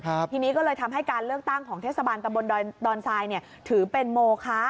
ทีนี้ก็เลยทำให้การเลือกตั้งของเทศบาลตำบลดอนทรายเนี่ยถือเป็นโมคะ